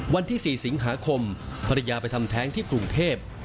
วันที่๔สิงหาคมภรรยาไปทำแท้งที่กรุงเทพ